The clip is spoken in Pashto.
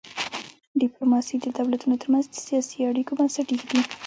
ډیپلوماسي د دولتونو ترمنځ د سیاسي اړیکو بنسټ ایږدي.